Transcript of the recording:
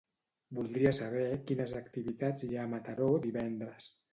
Voldria saber quines activitats hi ha a Mataró divendres.